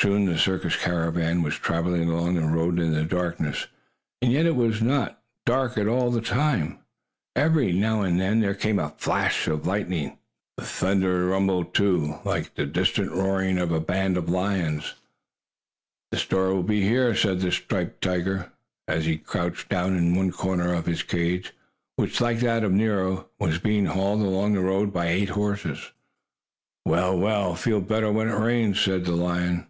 Soon the circus caravan was traveling along the road in the darkness. And yet it was not dark all the time, for, every now and then, there came a flash of lightning. The thunder rumbled, too, like the distant roaring of a band of lions. "The storm will soon be here," said the striped tiger, as he crouched down in one corner of his cage, which, like that of Nero, was being hauled along the road by eight horses. "Well, we'll feel better when it rains," said the lion.